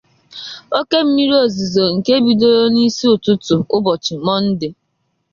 óké mmiri ozuzo nke bidoro n'isi ụtụtụ ụbọchị Mọnde